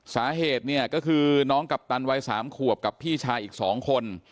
สาเหตุเนี่ยก็คือน้องกัปตันวัย๓ขวบกับพี่ชายอีก๒คน